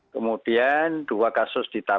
kemudian dua kasus diteror